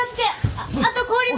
あと氷も！